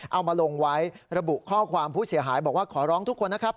เอามาลงไว้ระบุข้อความผู้เสียหายบอกว่าขอร้องทุกคนนะครับ